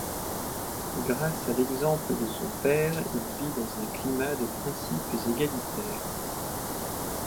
Grâce à l'exemple de son père, il vit dans un climat de principes égalitaires.